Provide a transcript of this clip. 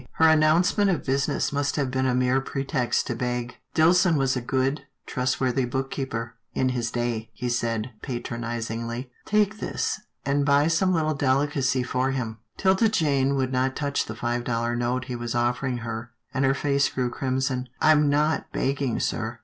Her announcement of business must have been a mere pretext to beg. " Dillson was a good, trustworthy book keeper in his day," he said, patronizingly, " take this, and buy some little delicacy for him." 'Tilda Jane would not touch the five dollar note he was offering her, and her face grew crimson. " I'm not begging, sir.